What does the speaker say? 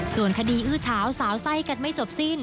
ส่วนคดีอื้อเฉาสาวไส้กันไม่จบสิ้น